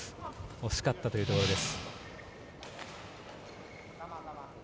惜しかったというところです。